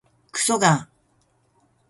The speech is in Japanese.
くそが